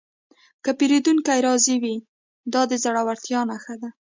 که پیرودونکی راضي وي، دا د زړورتیا نښه ده.